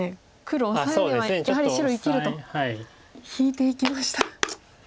黒オサエではやはり白生きると引いていきました。